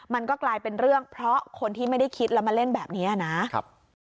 มันก็กลายเป็นเรื่องเพราะคนที่ไม่ได้คิดแล้วมาเล่นแบบนี้นะครับ